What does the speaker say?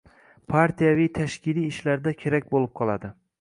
Partiyaviy-tashkiliy ishlarda kerak bo‘lib qoladi.